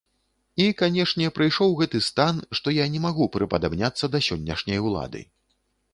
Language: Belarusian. І, канешне, прыйшоў гэты стан, што я не магу прыпадабняцца да сённяшняй улады.